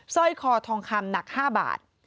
สร้อยคอทองคำหนัก๕บาท